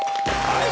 はい。